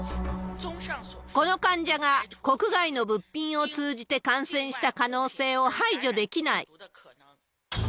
この患者が国外の物品を通じて感染した可能性を排除できない。